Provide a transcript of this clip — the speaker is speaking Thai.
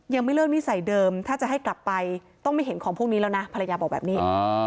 ยังไม่เลิกนิสัยเดิมถ้าจะให้กลับไปต้องไม่เห็นของพวกนี้แล้วนะภรรยาบอกแบบนี้